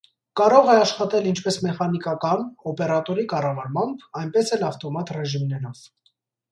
Կարող է աշխատել ինչպես մեխանիկական՝ օպերատորի կառավարմամբ, այնպես էլ ավտոմատ ռեժիմներով։